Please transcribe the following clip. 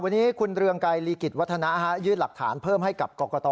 วันนี้คุณเรืองไกรลีกิจวัฒนะยื่นหลักฐานเพิ่มให้กับกรกต